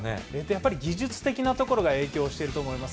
やっぱり技術的なところが影響していると思います。